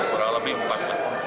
kurang lebih empat